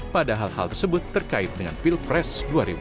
padahal hal hal tersebut terkait dengan pilpres dua ribu sembilan belas